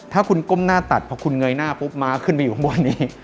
ถ้าคุณก้มหน้าตัดพอคุณเงยหน้าปุ๊บม้าขึ้นไปอยู่ข้างบนนี้